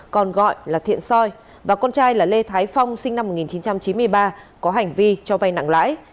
còn gọi là thiện soi và con trai là lê thái phong sinh năm một nghìn chín trăm chín mươi ba có hành vi cho vay nặng lãi